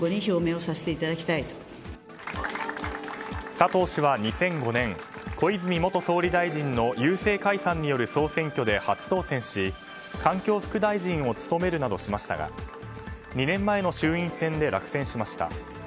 佐藤氏は２００５年小泉元総理大臣の郵政解散による総選挙で初当選し、環境副大臣を務めるなどしましたが２年前の衆院選で落選しました。